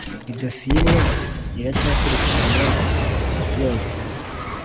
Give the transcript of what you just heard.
idosiye imwe iracyakurikiranwa yose ;